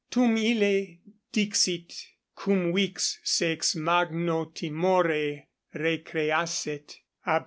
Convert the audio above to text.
Tum ille dixit, cum vix se ex magno timore recreasset, a P.